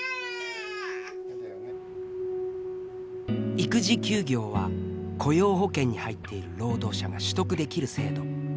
育児休業は雇用保険に入っている労働者が取得できる制度。